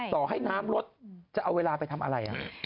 ต่อให้น้ำลดจะเอาเวลาไปทำอะไร